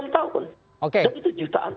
dua puluh enam tahun tapi itu jutaan